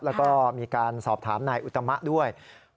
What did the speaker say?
แล้วก็มีการสอบถามนายอุตมะด้วย